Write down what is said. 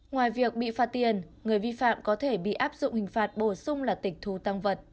ngoài việc bị phạt tiền người vi phạm có thể bị áp dụng hình phạt bổ sung là tịch thu tăng vật